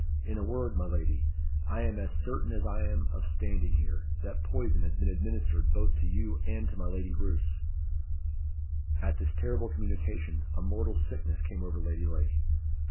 In a word, my lady, I am as certain as I am of standing here, that poison has been administered both to you and to my Lady Roos." At this terrible communication, a mortal sickness came over Lady Lake.